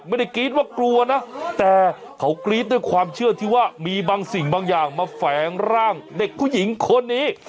กรี๊ดว่ากลัวนะแต่เขากรี๊ดด้วยความเชื่อที่ว่ามีบางสิ่งบางอย่างมาแฝงร่างเด็กผู้หญิงคนนี้